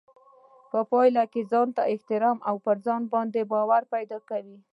په پايله کې ځانته احترام او په ځان باور پيدا کوي.